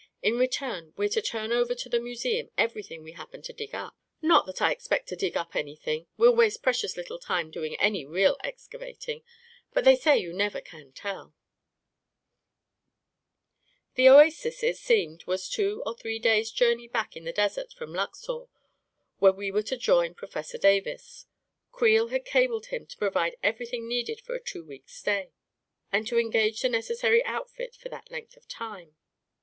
In return, we're to turn over to the museum everything we hap pen to dig up. Not that I expect to dig up any thing — we'll waste precious little time doing any real excavating — but they say you never can tell I " The oasis, it seemed, was two or three days' journey back in the desert from Luxor, where we were to join Professor Davis. Creel had cabled him to provide everything needed for a two weeks' stay, and to engage the necessary outfit for that length of time.